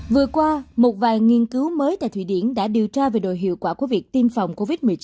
vừa qua một vài nghiên cứu mới tại thụy điển đã điều tra về đội hiệu quả của việc tiêm phòng covid một mươi chín